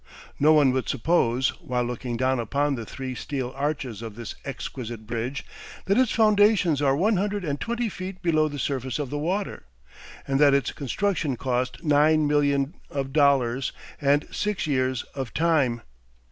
No one would suppose, while looking down upon the three steel arches of this exquisite bridge, that its foundations are one hundred and twenty feet below the surface of the water, and that its construction cost nine millions of dollars and six years of time.